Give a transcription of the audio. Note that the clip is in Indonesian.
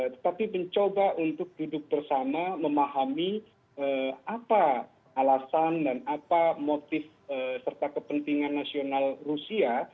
tetapi mencoba untuk duduk bersama memahami apa alasan dan apa motif serta kepentingan nasional rusia